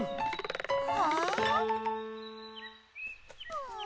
うん？